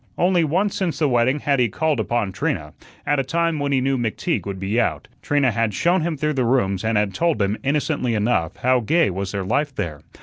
Only once since the wedding had he called upon Trina, at a time when he knew McTeague would be out. Trina had shown him through the rooms and had told him, innocently enough, how gay was their life there.